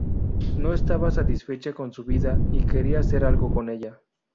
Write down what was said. No estaba satisfecha con su vida y quería hacer algo con ella.